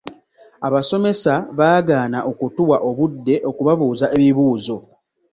Abasomesa baagaana okutuwa obudde okubabuuza ebibuuzo.